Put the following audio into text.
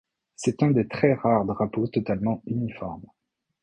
C'est un des très rares drapeaux totalement uniforme.